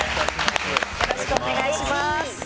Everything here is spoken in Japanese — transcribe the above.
よろしくお願いします。